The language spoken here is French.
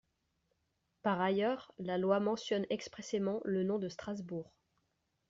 Par ailleurs, la loi mentionne expressément le nom de Strasbourg.